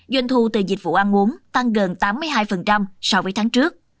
doanh thu từ dịch vụ ăn uống tăng gần tám mươi hai so với tháng trước